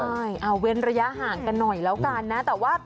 เอาเว้นระยะห่างกันหน่อยแล้วกันนะ